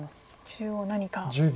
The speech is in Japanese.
中央何か。